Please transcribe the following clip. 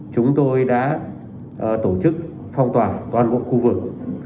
chúng tôi đã tổ chức phong tỏa toàn bộ khu vực